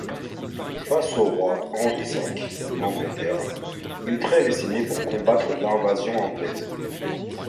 Face au roi Henri V d'Angleterre, une trêve est signée pour combattre l’invasion anglaise.